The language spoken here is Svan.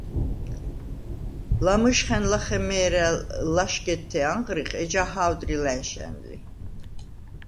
ლამჷჟხა̈ნ ლახე მე̄რა̄̈ლ ლაშგედთე ანღრიხ, ეჯა ჰა̄ვდრი ლა̈ნშა̈ნ ლი.